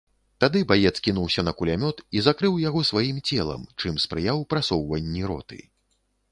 Тады баец кінуўся на кулямёт і закрыў яго сваім целам, чым спрыяў прасоўванні роты.